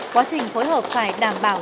quá trình phối hợp phải đảm bảo